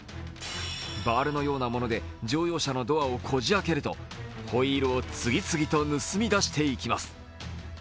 バールのようなもので乗用車のドアをこじあけると、ホイールを次々と盗み出していきます。